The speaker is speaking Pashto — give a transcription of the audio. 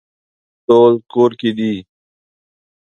ټول کور کې دي